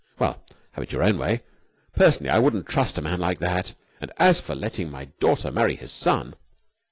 "Well, have it your own way. Personally, I wouldn't trust a man like that. And, as for letting my daughter marry his son...!"